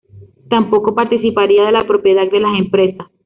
Tampoco participaría de la propiedad de las empresas.